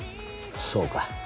そうか。